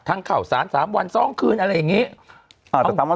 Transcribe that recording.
ทั้งเขาสานสามวันสองคืนอะไรอย่างเงี้ยอ่าแต่ตามวัน